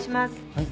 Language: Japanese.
はい。